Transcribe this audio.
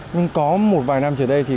nhưng có một vài năm trở đây thì